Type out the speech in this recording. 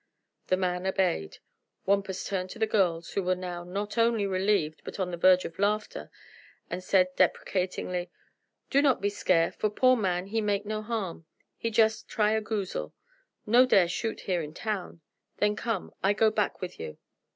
The man obeyed. Wampus turned to the girls, who were now not only relieved but on the verge of laughter and said deprecatingly: "Do not be scare, for poor man he make no harm. He jus' try a goozle no dare shoot here in town. Then come; I go back with you."